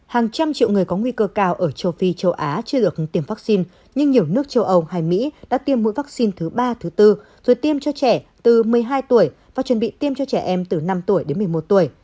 hàng trăm triệu người có nguy cơ cao ở châu phi châu á chưa được tiêm vaccine nhưng nhiều nước châu âu hay mỹ đã tiêm mũi vaccine thứ ba thứ bốn rồi tiêm cho trẻ từ một mươi hai tuổi và chuẩn bị tiêm cho trẻ em từ năm tuổi đến một mươi một tuổi